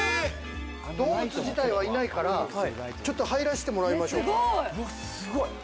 動物自体はいないから入らせてもらいましょうか。